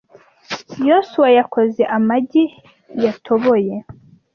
Yosuwa yakoze amagi yatoboye.